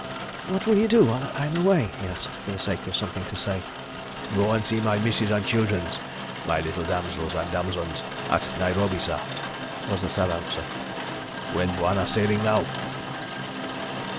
"What will you do while I am away?" he asked, for the sake of something to say. "Go and see my missus and childrens, my little damsels and damsons at Nairobi, sah," was the sad answer. "When Bwana sailing now?"